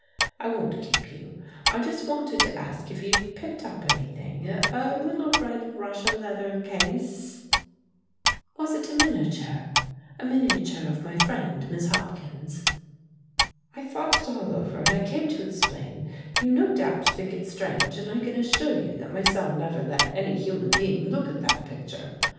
I won't keep you. I just wanted to ask if you picked up anything a little red Russia leather case " "Was it a miniature a miniature of my friend Miss Hopkins?" "I thought it all over, and I came to explain. You no doubt think it strange; and I can assure you that my son never let any human being look at that picture.